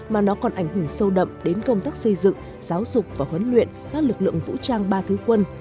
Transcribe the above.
mà nó còn ảnh hưởng sâu đậm đến công tác xây dựng giáo dục và huấn luyện các lực lượng vũ trang ba thứ quân